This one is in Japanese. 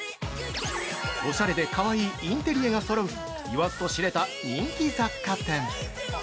おしゃれでかわいいインテリアがそろう言わずとしれた人気雑貨店！